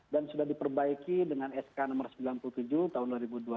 dan sudah diperbaiki dengan sk nomor sembilan puluh tujuh tahun dua ribu dua puluh